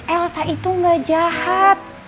elsa itu gak jahat